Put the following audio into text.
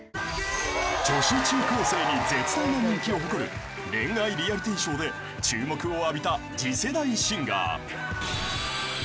［女子中高生に絶大な人気を誇る恋愛リアリティーショーで注目を浴びた］